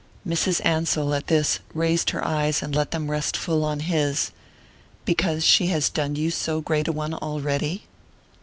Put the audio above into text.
Mrs. Ansell, at this, raised her eyes and let them rest full on his. "Because she has done you so great a one already?"